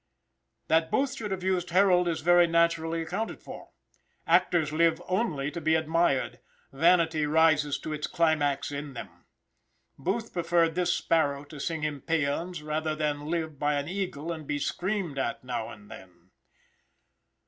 That Booth should have used Harold is very naturally accounted for. Actors live only to be admired; vanity rises to its climax in them. Booth preferred this sparrow to sing him peans rather than live by an eagle and be screamed at now and then.